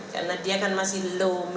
karena dia kan masih low middle income